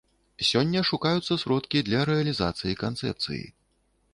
Сёння шукаюцца сродкі для рэалізацыі канцэпцыі.